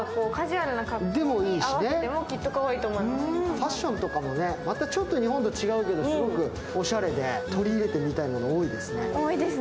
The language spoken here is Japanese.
ファッションとかもまたちょっと日本と違うけど、すごくおしゃれで取り入れてみたいもの多いですね。